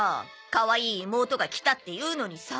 かわいい妹が来たっていうのにさ。